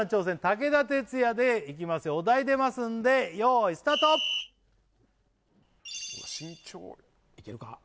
武田鉄矢でいきますよお題出ますんで用意スタート・うわ慎重・いけるか？